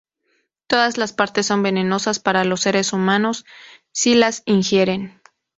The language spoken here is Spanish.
Todas las partes son venenosas para los seres humanos si las ingieren.